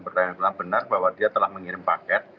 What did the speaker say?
berdata yang benar benar bahwa dia telah mengirim paket